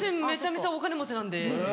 めちゃめちゃお金持ち。